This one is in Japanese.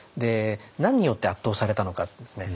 何によって圧倒されたのかですね